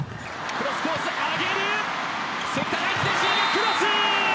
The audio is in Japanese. クロス！